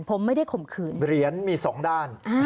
ผมไม่ได้ขมขืนฝีกเนี้ยมี๒ด้าน